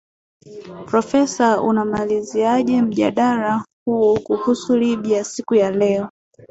profesa unamaliziaje mjadara huu kuhusu libya siku ya leo